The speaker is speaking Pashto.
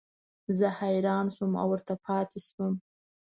زه حیران شوم او ورته پاتې شوم.